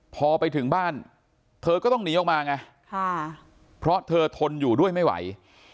พอไปถึงบ้านเธอก็ต้องหนีออกมาไงเพราะเธอทนอยู่ด้วยไม่ไหว